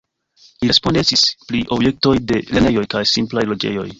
Li respondecis pri projektoj de lernejoj kaj simplaj loĝejoj.